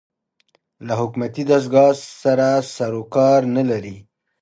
له حکومتي دستګاه سره سر و کار نه لري